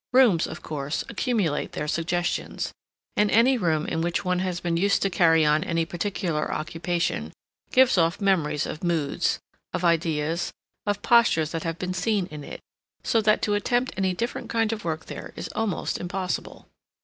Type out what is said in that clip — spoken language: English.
Rooms, of course, accumulate their suggestions, and any room in which one has been used to carry on any particular occupation gives off memories of moods, of ideas, of postures that have been seen in it; so that to attempt any different kind of work there is almost impossible.